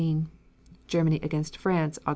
Germany against France, Aug.